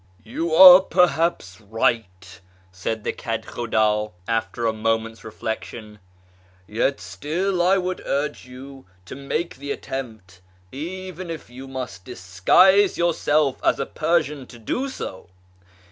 " You are perhaps right," said the KedhhuclA, after a moment's reflection, " yet still I would urge you to make the attempt, even if you must disguise yourself as a Persian to do so.